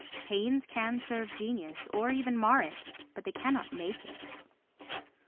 Pains can serve genius, or even mar it, but they cannot make it.